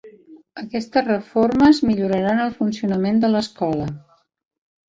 Aquestes reformes milloraran el funcionament de l'escola.